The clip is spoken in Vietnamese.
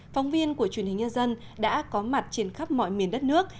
phóng viên của truyền hình nhân dân đã có mặt trên khắp mọi miền đất nước